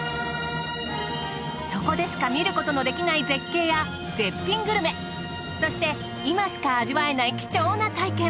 そこでしか見ることのできない絶景や絶品グルメそして今しか味わえない貴重な体験。